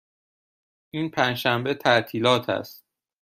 این پنج شنبه تعطیلات است.